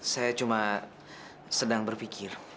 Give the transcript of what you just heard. saya cuma sedang berpikir